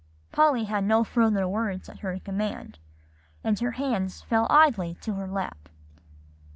Polly had no further words at her command, and her hands fell idly to her lap.